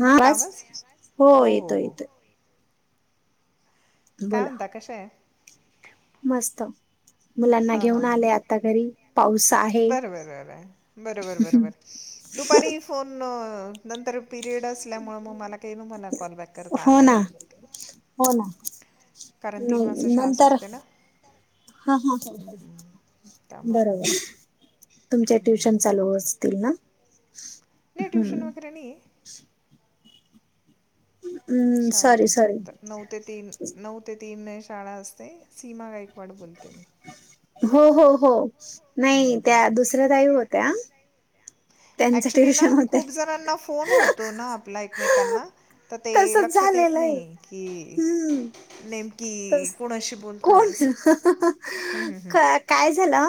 हा बस कामच हो येतो येतोय काय बोला म्हणता कशा आहे मस्त मुलांना हां हां घेऊन हां आलेय आता घरी पाऊस आहे बरं बरं बरं आहे बरोबर बरोबर दुपारी फोन नंतर पिरियड असल्यामुळे मग मला काही मला कॉलबॅक करत हो आला ना आणि हो ना कारण तीन वाजता नाही शाळा नंतर सुटतेना हा हा ह त्यामुळं बरोबर तुमचे ट्युशन चालू असतील ना नाही ट्युशन वगैरे नाही हम्म सॉरी शाळेतच सॉरी फक्त नऊ ते तीन नऊ ते तीन शाळा असते सीमा गायकवाड बोलते मी हो हो हो नाही त्या दुसऱ्या ताई होत्या त्यांचं ऍक्चुली ना ट्युशन होते खूप जणांना फोन होतो ना आपल्या एकमेकांना तर ते तसच लक्षात येतं झालेलं हम्म ते नेमकी कोणाशी बोलतो आहे कोण असं हं, हं, हं. काय? द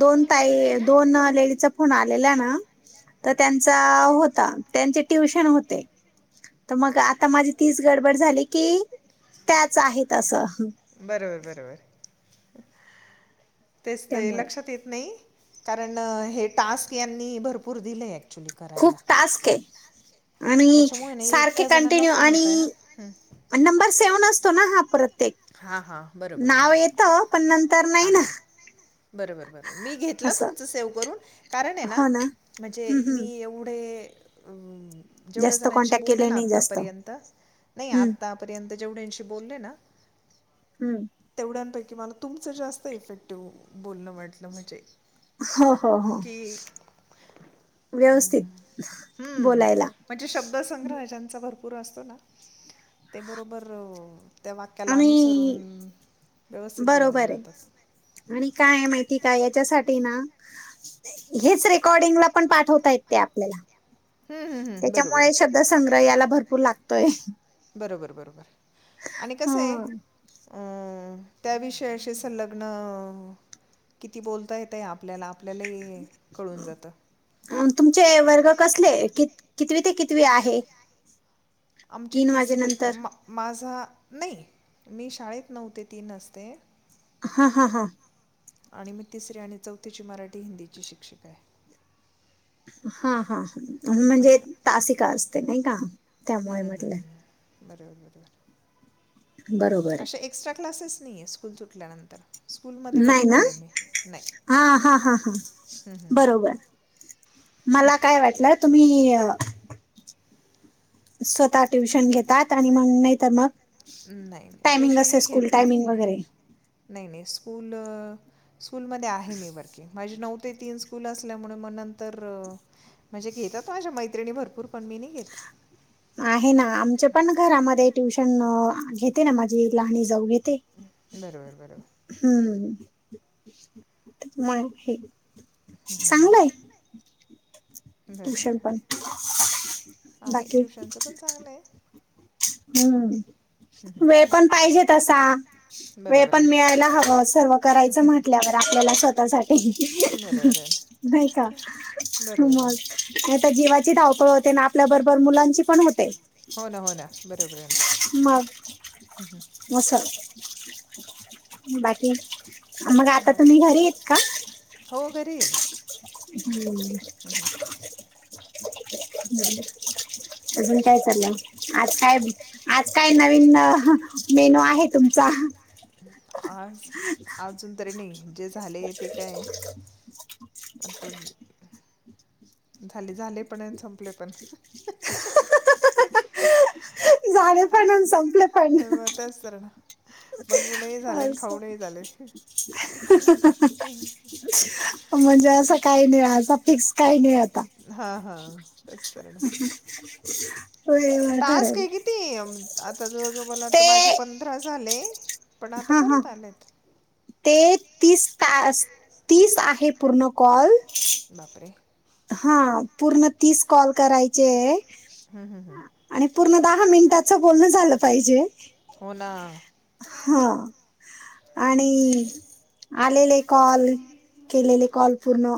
दो [unintelligible] आलेल्यां ना त्यांच्या होता त्यांचं ट्युशन होते. तर मग आता माझी तीच गडबड झाली की त्याच आहेत असं. बरोबर बरोबर तेच त्यामुळे लक्षात येत नाही. कारण हे टास्क यांनी भरपूर दिलेत. खूप टास्क आहेत. त्याच्यामुळे नाही इतक्या जणांना फोन होतय ना हम् आणि नंबर सेव्ह नसतो ना हा परत ते हां हां बरोबर नाव बरोबर येतं पण नंतर हां नाही ना. हां बरोबर बरोबर मी घेतला असं तुमच सेव्ह करून कारण आहे ना हो म्हणजे हम्म, मी हम्म. एवढे जेवढ्या जास्त जणांशी कॉन्टॅक्ट बोलले केले ना नाही जास्त आतापर्यंत नाही हम्म, आतापर्यंत जेव ब हम्म. तेवप [unintelligible] कि मला तुमचं जास्त इफेक्टिव्ह बोलणं वाटलं म्हणजे हो हो की व्यवस्थित हम्म बोलायला म्हणजे शब्द संंग्रहाचा भरपूर ब [unintelligible] आम्ही व्यवस्थित बोलले बरोबर जातात आहे आणि काय आहे माहिती का याच्यासाठी ना हेच रेकॉर्डिंगला पण पाठवता येत ते आपल्याला हम्म, हम्म, हम्म, बरोबर त्याच्यामुळे आहे शब्दसंग्रह याला भरपूर लागतोय. बरोबर बरोबर आणि कसं आहे हं. अ त्याविषयीशी संलग्न किती बोलता येत आहे आपल्याला आपल्याला कळून जातं. अ तुमचे वर्ग कसले क कितवी ते कितवी आहे? आमचे तीन तिसरे वाजेनंतर. माझा नाही मी शाळेत नव्हते तीन हफ्ते हा हा हा आणि मी तिसरी आणि चौथीची मराठी हिंदीची शिक्षिका आहे. हा हा हा म्हणजे असं तासिका असते नाही का हं, त्यामुळे हं, हं, म्हटलं. हं. बरोबर बरोबर बरोबर आहे. अशा एक्स्ट्रा क्लासेस नाहीये स्कूल सुटल्यानंतर स्कूलमध्ये नाही ना वर्किंग आहे मी नाही हा हा हा हा हं, हं. बरोबर मला काय वाटलं तुम्ही स्वतः ट्युशन घेतात आणि मग नाहीतर मग नाही नाही टायमिंग ट्युशन असे नाही स्कूल घेत मी टायमिंग वगैरे. नाही नाही स्कूल स्कूलमध्ये आहे मी बाकी माझी नऊ ते तीन स्कूल असल्यामुळे मग नंतर म्हणजे घेतात माझ्या मैत्रिणी भरपूर पण मी नाही घेत आहे ना आमच्या पण घरामध्ये ट्युशन घेते ना माझी लहानी जाऊ घेते. बरोबर बरोबर म हे चांगलंय. बरोबर. ट्यूशन पण आहे बाकी पण चांगलंय. हम्म वेळ पण पाहिजे तसा वेळ बरोबर पण आहे. मिळायला हवं सर्व करायचं म्हटल्या वर आपल्याला स्वतःसाठी बरोबर आहे ना. नाही का? बरोबर आहे ना. मग जीवाची धावपळ होते ना आपल्या बरोबर मुलांची पण होते. हो ना हो ना बरोबर आहे ना मग हं, मस बाकी मग हं. आता बाकी तुम्ही काय घरी नाही. येत का हो, घरी आहे ना. हम्म हं, हं. हम् अजून काय चाललं आज काय आज काय नवीन मेनू आहे तुमचा आज अजून तरी नाही जे झाले आहे ते काय आता झाले झाले पण संपले पण झाले पण आणि संपले पण ह म तेच तर ना बनवूनही झाले आणि अस खाऊनही झाले म्हणजे असं काही नाही असा फिक्स काही नाही हा हा तेच कर ना वे वातार टास्क हे किती अम, आता जवळजवळ मला वाटतं माझे प हा हा तेच तीस तीस आहे पूर्ण कॉल बापरे हा पूर्ण तीस कॉल करायचे आहे हम्म हम् हम्म दहा मिनिटाचं बोलण झालं पाहिजे होना हा आणि आलेले कॉल केलेले कॉल पूर्ण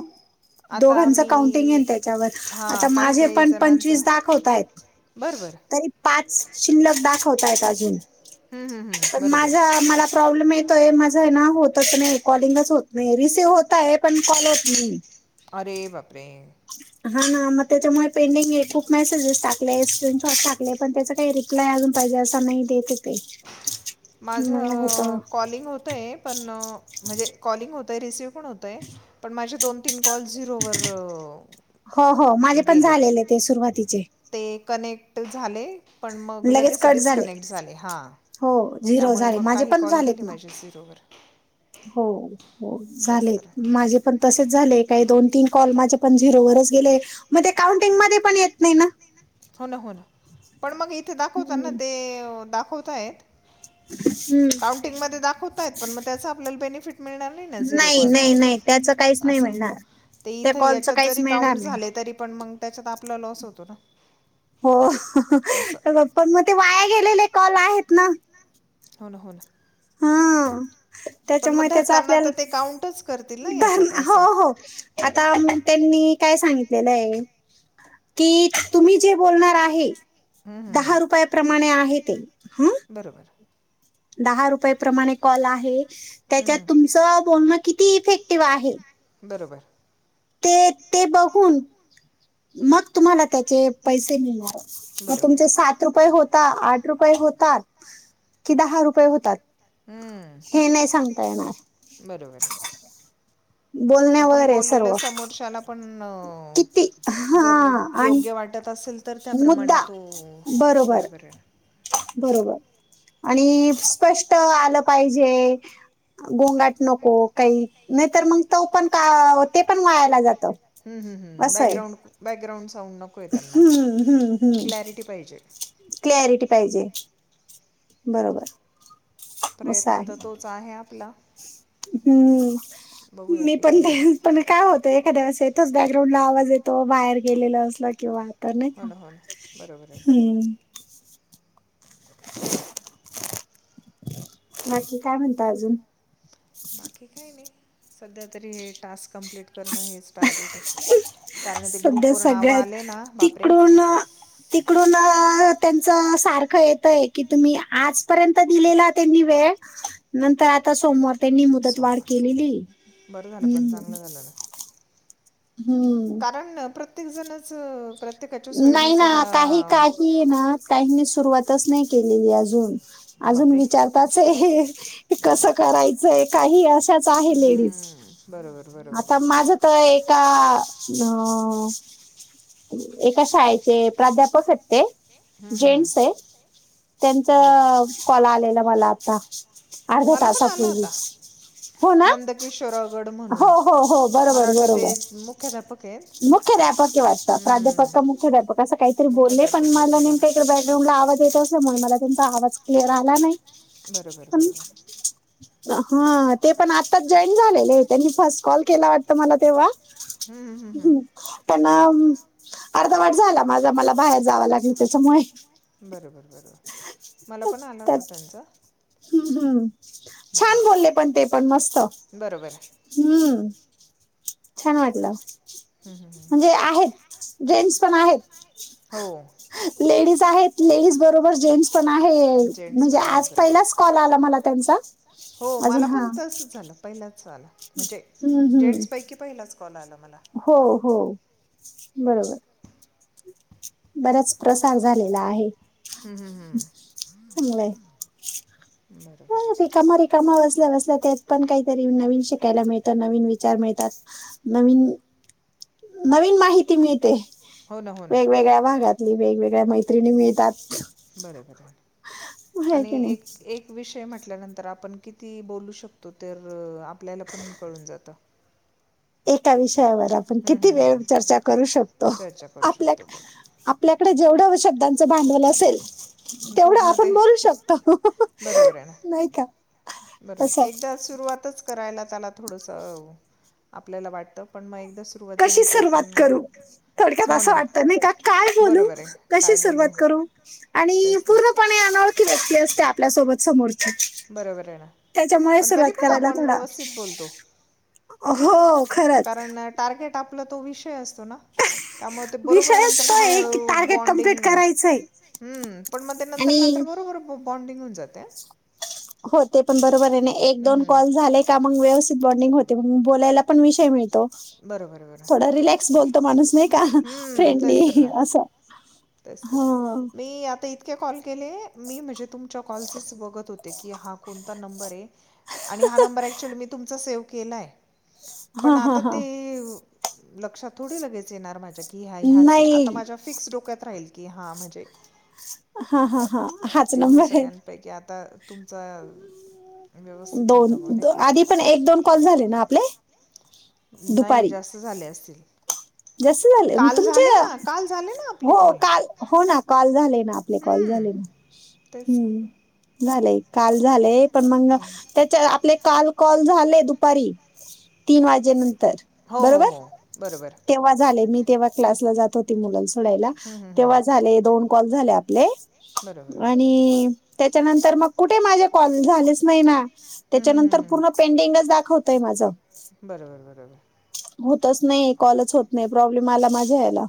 आता दोघांचा मी काउंटिंग त्याच्यावर हां आता काही माझे काही पण जणांचं पंचवीस दाखवत आहेत बरं बरं तरी पाच शिल्लक दाखवताय अजून हम्म, हम्म, हम्म. पण बरोबर माझा मला प्रॉब्लेम य ोय माझा आहे ना होतच नाही कॉलिंगच होत नाही रिसीव्ह होत आहे पण कॉल होत नाही अरे बापरे हा ना मग त्याच्यामुळे पेंडिंग खूप मेसेजेस टाकले स्क्रीनशॉट टाकले पण त्याचा काही रिप्लाय ून पाहिजे असं नाही देत ते माझ मग होत कॉलिंग होतय पण म्हणजे कॉलिंग होतय रिसिव पण माझ दोन तीन कॉल झरो हो हो माझे पण झालेले ते सुरुवातीला ते कनेक्ट झाले पण मग लगेच डिस्कनेक्ट झाले हां हो झिरो त्यामुळे झाले मग माझे काही पण कॉल झालेत गेले ना माझे झिरोवर हो हो तेच झाले तर माझे पण तसे झाले माझे पण दोन-तीन कॉल झिरोवरच झाले मग ते काउंटिंग मध्ये पण येत नाही ना हो ना हो ना पण मग इथे दाखवत हम्म ना ते दाखवताय हम्म. काउंटिंग म दाखवताय पण मग त्याच आपल्याला बेनिफिट मिळणार ना झिरो नाही कॉलचा नाही नाही त्याच काहीच नाही असं मिळणार ते त्या इथ कॉलचं याच्यात काहीच जरी मिळणार काउंट नाही झाले तरी पण मग त्याच्यात आपला लॉस होतो ना हो असं पण मग ते वाया गेलेले कॉल आहेत ना हो ना हो ना हा पण त्याच्यामुळे मग त्याचा धरताना आपल्या तर ते काउंटच करतील ना याच्यात हो असं हो आता काय सांगितलेलं आहे की तुम्ही जे बोलणार आहे हं, हं, हं. दहा रुपया प्र्रमाणे आहे ते ह बरोबर दहा रुपये प्रमाणे कॉल आहे हं, त्याच्यात हं. तुमचं बोलणं किती इफेक्ट करते एक्टिव आहे बरोबर ते ते बघून मग तुम्हाला त्याचे पैसे मिळणार मग बरोबर तुमचे सात रुपये होता आठ रुपये होतात कि दहा रुपये होतात हम्म पाणार आहे बरोबर आपण बोलण्यावर आहे बोललेल सर्व समोरच्याला पण किती हा जर आणि योग्य वाटत असेल तर त्याप्रमाणे मुद्दा तो बरोबर आहे असं बरोबर आणि स्पष्ट आलं पाहिजे गोंगाट नको काही नाहीतर मग त पण का ते पण वायाला जात हम् हम् हम बॅकग्राउंड बॅकग्राउंड हम्म हम्म हम्म क्लॅरिटी पाहिजे. क्लरिटी पाहिजे बरोबर असं प्रयत्न तर आहे तोच आहे आपला हम्म बघूया मी पण किती ते पण काय होतो एखाद्यास येतोच बॅकग्राउंड ला ज येतो बाहेर गेलेला असल किंवा तर नाही हो का, ना, हो ना. बरोबर आहे. ना. हम्म. बाकी काय म्हणता अजून? बाकी काय नाही. सध्या तरी हे टास्क कंप्लीट करणं हेच टार्गेट आहे. कारण ते ग्रुप सध्या व नाव आले सगळ्यात ना, बापरे! तिकडून तिकडून त्यां सारख येतय की तुम्ही आजपर्यंत दिलेला त्यांनी वेळ, नं आता सोमवार. त्यांनी मुदतवाढ सोमवार. केलेलीय, बरं झालं पण हम्म. चांगलं झालं ना. हम्म कारण प्रत्येक जणच नाही ना काही काही ना काहीनि सुरुवातच नाही केलेली अजून. अजून बापरे विचारताच आहे. कस बापरे करायचंय काही अशाच आहे लेडीज. हम्म बर. आता माझ तर एका ह एका शाळेचे प्राध्यापक आहेत हम्म, ते हम्म, जेंट्स आहे, हम्म, बरोबर त्यांच कॉल आलेलं मला आता. अर्ध्या तासा पूर्वी. नंदकिशोरागड म्हणून, हो हो मला वाटतं ते मुख्याध्यापक आहेत. मुख्यध्यापक आहे वाटत प्रा प्राध्यापक हम्म, का मुख्याध्यापक असं काही तरी बोलले. पण मुख्याध्यापक मला नेम मुख्याध्यापक काहीतर बॅकग्राउंड ला आवाज येत अस मला त्यांचा आवाज क्लिअर आला नाही. बरोबर पण बरोबर. हा ते पण आत्ताच जॉईन झालेले. त्यांनी फर्स्ट कॉल केला वाटत मला तेव्हा. हम्मम हम्म हम्म. त्यांना अर्धा वाट झाला माझा मला बाहेर जावं लागल त्याच्यामुळे. बरोबर बरोबर. मला पण आला त्यात होत त्यांचा. हम्म हम्म हम्म, छान बोलले हम्म. पण ते पण मस्त. बरोबर आहे. हम्म छान वाटलं. हम्म, हम्म, हम्म. म्हणजे आहेत जेंट्स पण आहेत. हो. लेडीज आहेत लेडीज बरोबर जेंट्स पण आहे जेंट्स म्हणजे पण आज आहेत बरोबर पहिलाच आहे. कॉल आला मला त्यांचा. हो अजून मला हा पण तसच झालं. पहिलाच आलं म्हणजे, हम्म जेंट्स हम्म पैकी पहिलाच कॉल आला. मला हो हो. बरोबर. बऱ्याच प्रसार झालेला आहे. हम्म हम्म हम्म. चांगलय ह बरोबर आहे रिकामा रिकामा बसण्या बस त्यात पण काहीतरी नवीन शिकायला मिळत, नवीन विचार मिळतात, नवीन नवीन माहिती मिळते. हो ना, हो ना. जगातली वेगवेगळ्या मैत्रिणी मिळतात. बर बर आहे आणि की नाही एक एक विषय म्हणटल्यानंतर आपण किती बोलू शकतो तर, आपल्याला पण कळून जात. एका विषयावर आपण किती वेळ चर्चा करू शकतो. चर्चा करू आपल्या शकतो बोल आपल्याकडे जेवढं शब्दांचं भांडवल असेल तेवढं पूर्ण ते आपण बोलू शकतो, बरोबर आहे ना नाही का. बरोबर असं एकदा सुरुवातच करायला थोडसं आपल्या वाटत. पण म कशी सुरवात करू, थोडक्यात हो असं ना वाटत नाही का. काय बोलू, बरोबर आहे कशी काय सुरवात बोलू करू आणि तेच तेच पूर्णपणे अनोळखी व्यक्ती असते आपल्यासोबत. बरोबर आहे ना. पण तरी सुरुवात पण करायला आपण थोडा व्यवस्थित बोलतो. हो खरंच. कारण टार्गेट आपला तो विषय असतो ना त्यामुळ ते बरोबर विषयच नंतर तो ते हळू आहे की हळू टार्गेट कम्प्लीट बाँडिंग करायचंय हम्म पण मग ते नंतर नंतर आणि बरोबर बॉन्डिंग होऊन जातय. हो ते पण बरोबर आहेन एक, हं, दोन हं. कॉल झाले का मग व्यव बाँडिंग होतंय बोलायला पण विषय मिळतो बरोबर बरोबर थोडं रिलॅक्स बोलतो माणूस नाई का हम्म तेच तर फ्रेंडली ना असं ह इितके कॉल केले मी म्हणजे तुमच्या कॉलसच बघत होते की हा कोणता नंबरय. आणि हा नंबर ऍक्चुअली मी तुमचा सेव्ह केलाय पण हा हा आता हा ते अ लक्षात थोडी लगेच येणार माझ्या की ह्या ह्याचय आता नाही माझ्या फिक्स डोक्यात राहील. की हां म्हजे हा हा हा हाच एवढं नंबर आहे सगळ्यांपैकी आता तुमचा व्यवस्थित होता बुवा दोन नाही का? आधी पण एक दोन कॉल झाले ना आपले. नाही दुपारी जास्त झाले असतील. जास्त झाले म काल झाले तुमच्या ना, काल झाले ना आपले हो कॉल. काल हो ना कॉल झाले ना आपले कॉल हं. झाले. तेच. हम्म झालंय काल झालय पण मग हं. त्याच्या आपल्या काल कॉल झाले दुपारी तीन वाजे नंतर हो, हो, बरोबर. हो. बरोबर. तेव्हा झाले मी तेव्हा क्लासला जात होते मुल सोडायला हं, हं, हं. तेव्हा झाले दोन कॉल झाले आपले. बरोबर आणि त्याच्यानंतर मग कुठे माझे कॉल झालेच नाही ना त्याच्यानंतर पूर्ण पेंडिंगच दाखवतय माझं. बरोबर बरोबर होतच नाही कॉलच होत नाही प्रॉब्लेम आला माझ्या ह्याला.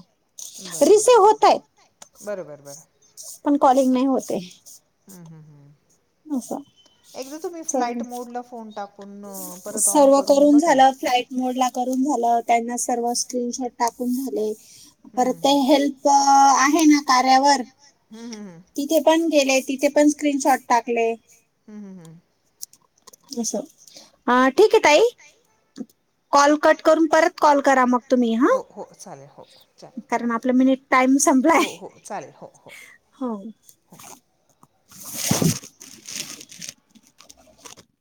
बरोबर बरोबर बर पण कॉलिंग नाही होत आहे. हम् हम् हम् एकदा तुम्ही फ्लाइट असं मोड ला फोन टाकून अ परत ऑन सर्व करून बघा ना. झालं फ्लाईट मोड ला करून झालं त्यांना सर्व स्क्रीनशॉट टाकून झाले हं, परत हं, ते हं. हेल्प आहे आहे ना कार्यावर हम्म हम् हम्म केले तिथे पण स्क्रीनशॉट टाकले. हम्म हम्म हम् अस ठीक आहे ताई. कॉल कट करून परत कॉल करा मग. तुम्ही हां. हो हो चालेल हो चालेल कारण आपला मिनिट टाईम संपलाय. हो हो चालेल हो हो. हो हो